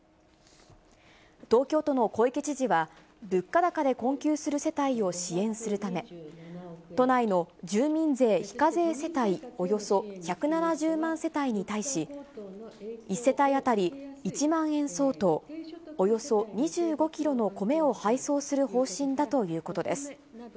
東京都の小池知事は、物価高で困窮する世帯を支援するため、都内の住民税非課税世帯およそ１７０万世帯に対し、１世帯当たり１万円相当、およそ２５キロの米を配送する方針だということです。